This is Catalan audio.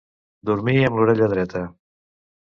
Dormir amb l'orella dreta.